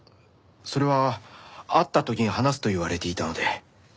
それは会った時に話すと言われていたので。